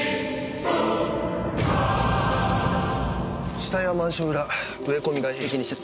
死体はマンション裏植え込み外壁に接。